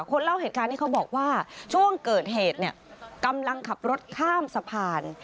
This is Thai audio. เล่าเหตุการณ์ให้เขาบอกว่าช่วงเกิดเหตุเนี่ยกำลังขับรถข้ามสะพาน